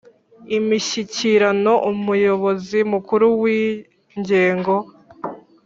Imishyikirano umuyobozi mukuru w ingengo